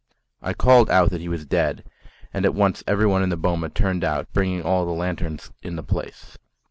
I called out that he was dead, and at once everyone in the boma turned out, bringing all the lanterns in the place.